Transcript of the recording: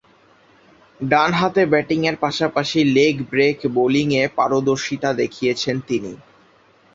ডানহাতে ব্যাটিংয়ের পাশাপাশি লেগ ব্রেক বোলিংয়ে পারদর্শিতা দেখিয়েছেন তিনি।